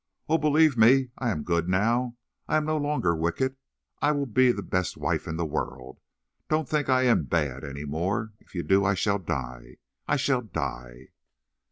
"Oh, believe me; I am good now—I am no longer wicked! I will be the best wife in the world. Don't think I am—bad any more. If you do I shall die, I shall die!"